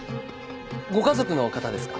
ご家族の方ですか？